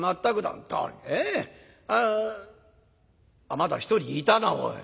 あまだ１人いたなおい。